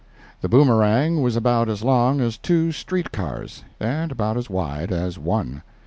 The Boomerang was about as long as two street cars, and about as wide as one.